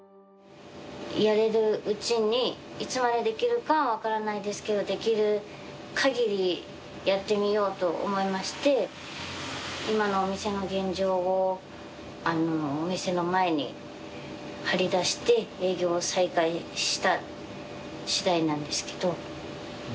やれるうちにいつまでできるか分からないですけどできる限りやってみようと思いまして今のお店の現状をお店の前に張り出して営業再開したしだいなんですけど。